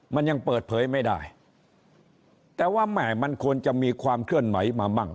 มันยังเปิดเผยไม่ได้แต่ว่าแหม่มันควรจะมีความเคลื่อนไหวมามั่ง